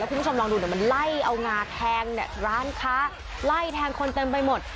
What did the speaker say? คุณผู้ชมลองดูเดี๋ยวมันไล่เอางาแทงเนี่ยร้านค้าไล่แทงคนเต็มไปหมด